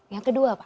yang kedua apa